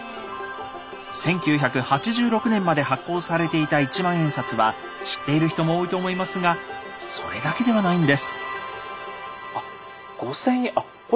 １９８６年まで発行されていた一万円札は知っている人も多いと思いますがそれだけではないんです。